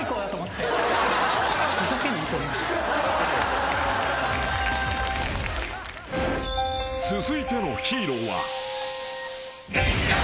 ［続いてのヒーローは］